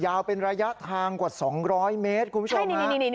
ยาวเป็นระยะทางกว่า๒๐๐มเดี๋ยวนิด